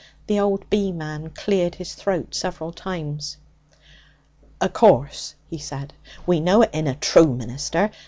The old beeman cleared his throat several times. 'O' course,' he said, 'we know it inna true, minister.